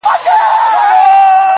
هغه دي مړه سي زموږ نه دي په كار.